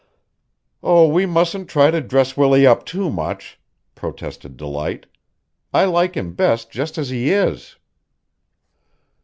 "Oh, we mustn't try to dress Willie up too much," protested Delight. "I like him best just as he is."